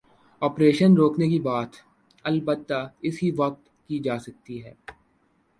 Operation روکنے کی بات، البتہ اسی وقت کی جا سکتی ہے۔